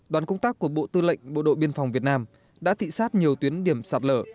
đoàn công tác của bộ tư lệnh bộ đội biên phòng việt nam đã thị xát nhiều tuyến điểm sạt lở